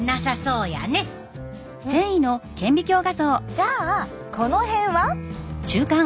じゃあこの辺は？